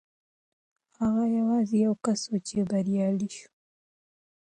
هغه یوازې یو کس و چې بریالی شو.